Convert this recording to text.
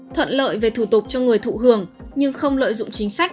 thuận lợi về thủ tục cho người thụ hưởng nhưng không lợi dụng chính sách